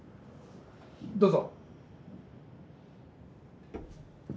どうぞ。